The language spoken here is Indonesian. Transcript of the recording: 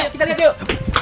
kita lihat yuk